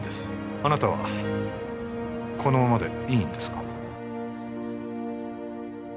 あなたはこのままでいいんですか？